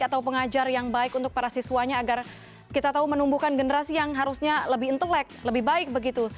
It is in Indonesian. atau pengajar yang baik untuk para siswanya agar kita tahu menumbuhkan generasi yang harusnya lebih intelek lebih baik begitu